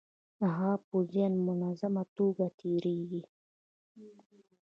د هغه پوځیان منظمه توګه تیریږي.